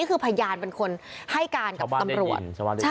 คือพยานเป็นคนให้การกับตำรวจชาวบ้านเด่นหยั่ง